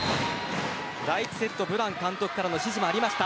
第１セット、ブラン監督からの指示もありました。